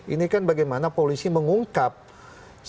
ini kan bagaimana polisi mengungkap sebenar benarnya seterang terangnya